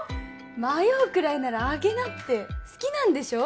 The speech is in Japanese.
迷うくらいならあげなって好きなんでしょ？